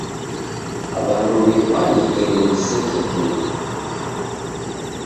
W'andu w'ipwane eri w'iseke tu.